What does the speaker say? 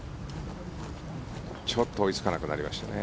ちょっと追いつかなくなりましたね。